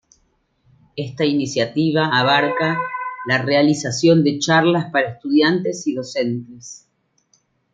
Esta iniciativa abarca la realización de charlas para estudiantes y docentes.